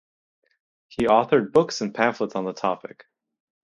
He authored books and pamphlets on the topic.